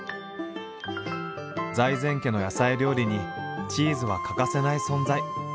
財前家の野菜料理にチーズは欠かせない存在。